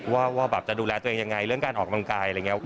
ว่าแบบจะดูแลตัวเองยังไงเรื่องการออกกำลังกายอะไรอย่างนี้